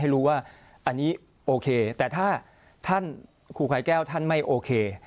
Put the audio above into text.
รู้ว่าอันนี้โอเคแต่ถ้าท่านครูกายแก้วท่านไม่โอเค